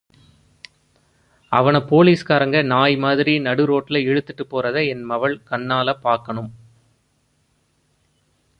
அவனப் போலீஸ்காரங்க நாய் மாதிரி நடுரோட்ல இழுத்துட்டுப் போறத என் மவள் கண்ணால பாக்கணும்.